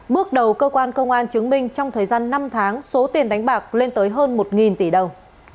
bước đầu cơ quan công an chứng minh trong thời gian năm tháng số tiền đánh bạc lên tới hơn một tỷ đồng